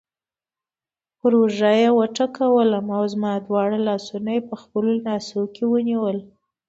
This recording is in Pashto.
پر اوږه یې وټکولم او زما دواړه لاسونه یې په خپلو لاسونو کې ونیول.